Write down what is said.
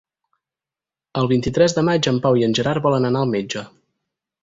El vint-i-tres de maig en Pau i en Gerard volen anar al metge.